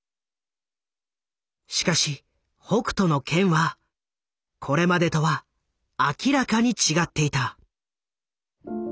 しかし「北斗の拳」はこれまでとは明らかに違っていた。